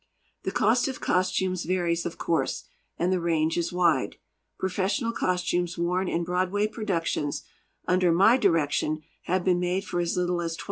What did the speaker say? The cost of costumes varies, of course, and the range is wide. Professional costumes worn in Broadway productions under my direction have been made for as little as $23.